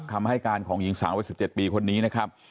คำให้การของหญิงสาววัย๑๗ปีคนนี้นะครับ